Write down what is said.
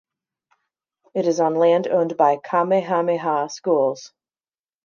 It is on land owned by Kamehameha Schools.